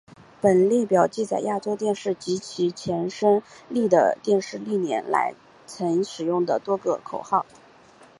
本列表记载亚洲电视及其前身丽的电视历年来曾使用的多个口号。